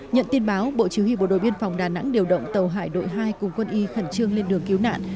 nhận tin báo bộ chỉ huy bộ đội biên phòng đà nẵng điều động tàu hải đội hai cùng quân y khẩn trương lên đường cứu nạn